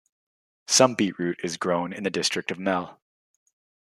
Some beetroot is grown in the district of Melle.